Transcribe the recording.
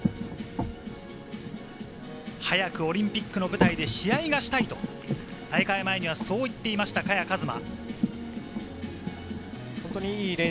早くオリンピックの舞台で試合がしたいと大会前にはそう言っていました、萱和磨。